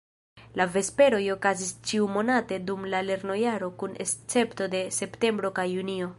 La Vesperoj okazis ĉiumonate dum la lernojaro kun escepto de septembro kaj junio.